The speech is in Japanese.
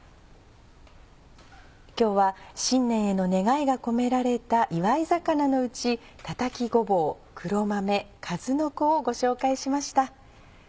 今日は新年への願いが込められた祝い肴のうち「たたきごぼう」「黒豆」「かずのこ」をご紹介しました。